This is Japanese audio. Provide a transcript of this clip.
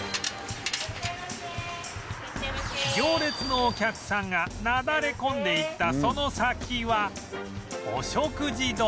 行列のお客さんがなだれ込んでいったその先はお食事処